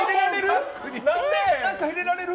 何か入れられる？